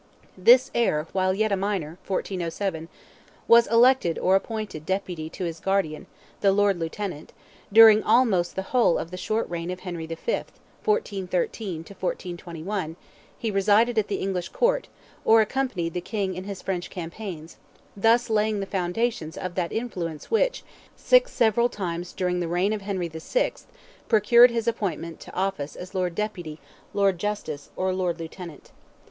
This heir, while yet a minor (1407), was elected or appointed deputy to his guardian, the Lord Lieutenant; during almost the whole of the short reign of Henry V. (1413 1421) he resided at the English Court, or accompanied the King in his French campaigns, thus laying the foundations of that influence which, six several times during the reign of Henry VI., procured his appointment to office as Lord Deputy, Lord Justice, or Lord Lieutenant.